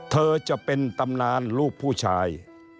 เธอจะเป็นตำนานลูกผู้ชาย